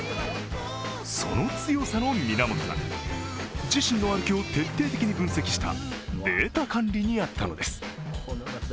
その強さの源が、自身の歩きを徹底的に分析したデータ管理にあったのです。